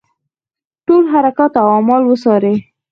ټول حرکات او اعمال وڅاري.